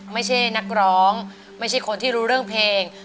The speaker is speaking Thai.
ไม่ใช่นักร้องไม่ใช่คนที่รู้เรื่องเพลง